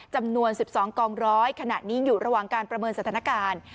จำนวน๑๒กองร้อยขณะนี้อยู่ระหว่างการประเมินสถานการณ์